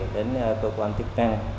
đến cơ quan tiếp năng